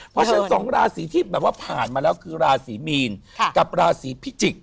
เพราะฉะนั้นสองราศีที่แบบว่าผ่านมาแล้วคือราศีมีนกับราศีพิจิกษ